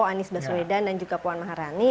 anies baswedan dan juga puan maharani